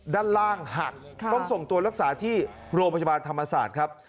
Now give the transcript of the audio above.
ด้านล่างหักต้องส่งตัวรักษาที่โรงพยาบาลธรรมศาสตร์ครับ